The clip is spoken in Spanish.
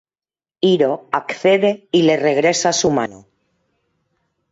Hiro accede y le regresa su mano.